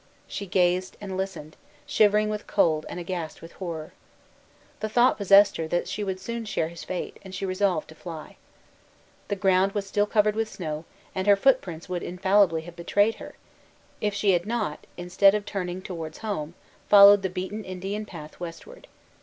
She gazed and listened, shivering with cold and aghast with horror. The thought possessed her that she would soon share his fate, and she resolved to fly. The ground was still covered with snow, and her footprints would infallibly have betrayed her, if she had not, instead of turning towards home, followed the beaten Indian path westward.